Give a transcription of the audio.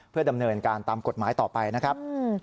เพื่อดำเนินการตามกฎหมายต่อไปนะครับ